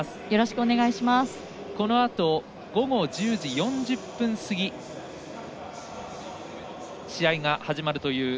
このあと午後１０時４０分過ぎに試合が始まるという。